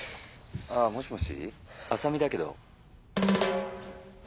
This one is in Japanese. あもしもし浅海だけど。